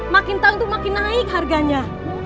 makin tahun itu makin naik harganya